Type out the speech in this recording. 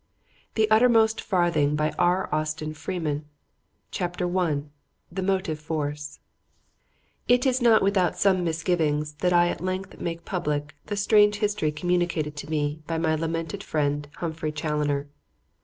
The Uttermost Farthing THE UTTERMOST FARTHING I THE MOTIVE FORCE It is not without some misgivings that I at length make public the strange history communicated to me by my lamented friend Humphrey Challoner.